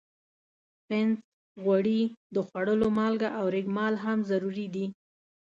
پنس، غوړي، د خوړلو مالګه او ریګ مال هم ضروري دي.